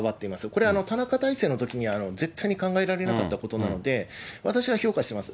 これは田中体制のときに絶対に考えられなかったことなので、私は評価しています。